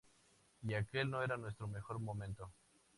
Y aquel no era nuestro mejor momento.